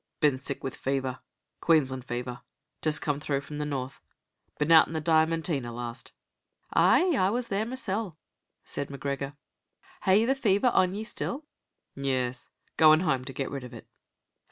"Been sick with fever Queensland fever. Just come through from the North. Been out on the Diamantina last." "Ay. I was there mysel'," said M'Gregor. "Hae ye the fever on ye still?" "Yes goin' home to get rid of it."